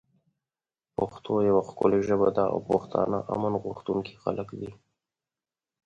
پښتو یوه ښکلی ژبه ده او پښتانه امن غوښتونکی خلک دی